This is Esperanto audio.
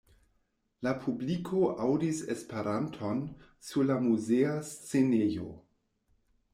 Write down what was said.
La publiko aŭdis Esperanton sur la muzea scenejo.